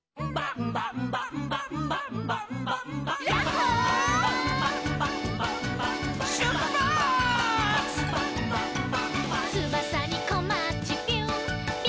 「ンバンバンバンバンバンバンバンバ」「」「」「」